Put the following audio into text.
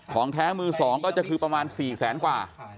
ของแท้มือ๒ก็คือประมาณ๔แสนกว่า